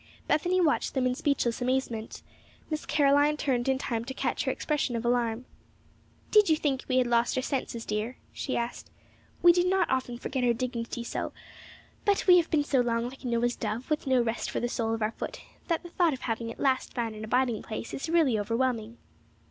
Bethany watched them in speechless amazement. Miss Caroline turned in time to catch her expression of alarm. "Did you think we had lost our senses, dear?" she asked. "We do not often forget our dignity so; but we have been so long like Noah's dove, with no rest for the sole of our foot, that the thought of having at last found an abiding place is really overwhelming."